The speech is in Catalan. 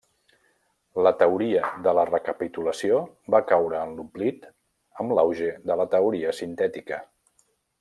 La teoria de la recapitulació va caure en l'oblit amb l'auge de la Teoria sintètica.